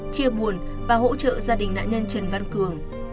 chia buồn và hỗ trợ gia đình nạn nhân trần văn cường